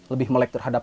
lebih melek tersebut